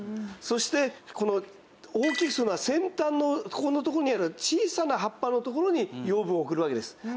そしてこの大きい先端のここのとこにある小さな葉っぱのところに養分を送るわけです。